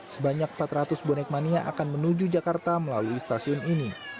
sebanyak empat ratus bonek mania akan menuju jakarta melalui stasiun ini